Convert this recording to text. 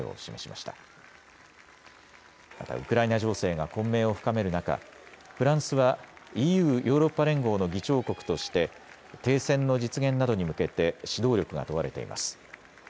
またウクライナ情勢が混迷を深める中、フランスはＥＵ・ヨーロッパ連合の議長国として停戦の実現などに向けて指導力が問われています。